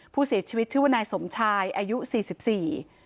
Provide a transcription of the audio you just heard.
ผู้เสียชีวิตชื่อว่านายสมชายอายุสี่สิบสี่